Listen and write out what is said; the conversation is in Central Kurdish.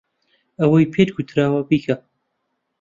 ئەوەی پێت گوتراوە بیکە.